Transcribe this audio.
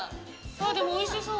でもおいしそう。